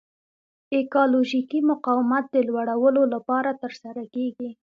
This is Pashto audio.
ایکالوژیکي مقاومت د لوړلولو لپاره ترسره کیږي.